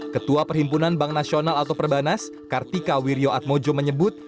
ketua perhimpunan bank nasional atau perbanas kartika wirjoatmojo menyebut